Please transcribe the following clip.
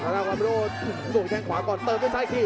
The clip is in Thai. ส่วนแข่งขวาก่อนเติมด้วยซ้ายขี้